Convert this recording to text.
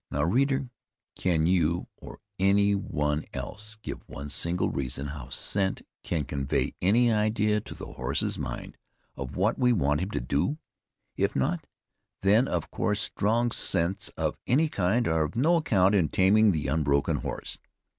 Now, reader, can you, or any one else, give one single reason how scent can convey any idea to the horse's mind of what we want him to do? If not, then of course strong scents of any kind are of no account in taming the unbroken horse.